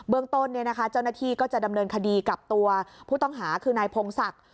เมืองต้นเจ้าหน้าที่ก็จะดำเนินคดีกับตัวผู้ต้องหาคือนายพงศักดิ์